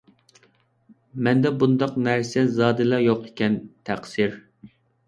مەندە بۇنداق نەرسە زادىلا يوق ئىكەن، تەقسىر.